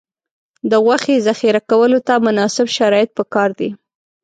د غوښې ذخیره کولو ته مناسب شرایط پکار دي.